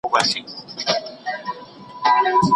جهاني په ژوند پوه نه سوم چي د کوچ نارې خبر کړم